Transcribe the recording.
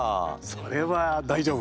それは大丈夫。